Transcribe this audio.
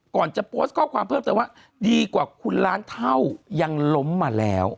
ก่อนจะโพสต์ข้อความเพิ่มเติมว่าดีกว่าคุณล้านเท่ายังล้มมาแล้ว